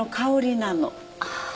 ああ。